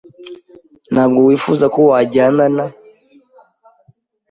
Ntabwo wifuza ko wajyana na ?